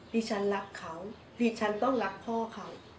ดิฉันรักเขาดิฉันต้องรักพ่อเขา